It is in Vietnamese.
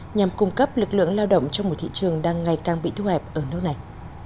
nhằm cung cấp lực lượng lao động cho một thị trường đang ngày càng bị thu hẹp ở nước này